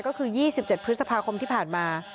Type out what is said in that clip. ก็คือ๒๗พฤษภาคมที่ผ่านมา